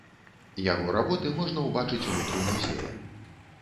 Яго работы можна ўбачыць унутры музея.